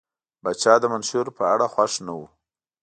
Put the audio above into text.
پاچا د منشور په اړه خوښ نه و.